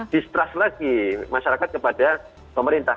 distrust lagi masyarakat kepada pemerintah